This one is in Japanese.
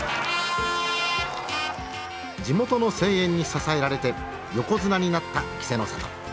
地元の声援に支えられて横綱になった稀勢の里。